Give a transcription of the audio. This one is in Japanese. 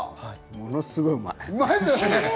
ものすごいうまい！